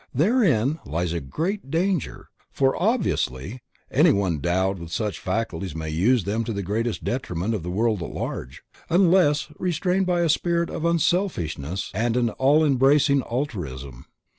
Therein lies a great danger, for, obviously, anyone endowed with such faculties may use them to the greatest detriment of the world at large, unless restrained by a spirit of unselfishness and an all embracing altruism.